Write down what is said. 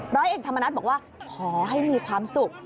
ร้อยเอกธรรมนัฏบอกว่าขอให้มีความสุข